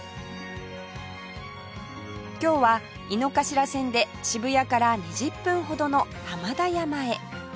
今日は井の頭線で渋谷から２０分ほどの浜田山へ